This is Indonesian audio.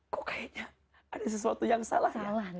kok kayaknya ada sesuatu yang salah ya lah